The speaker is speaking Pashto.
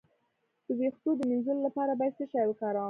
د ویښتو د مینځلو لپاره باید څه شی وکاروم؟